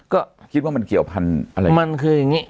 มันคือยังงี้